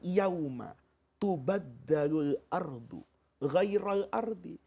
yauma tubaddalul ardu ghayral ardi